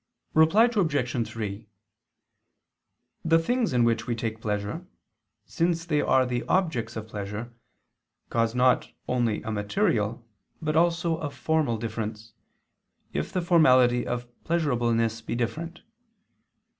Reply Obj. 3: The things in which we take pleasure, since they are the objects of pleasure, cause not only a material, but also a formal difference, if the formality of pleasurableness be different.